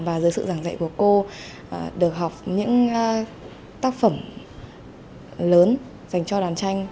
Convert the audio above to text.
và dưới sự giảng dạy của cô được học những tác phẩm lớn dành cho đàn tranh